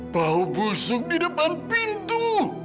bau busuk di depan pintu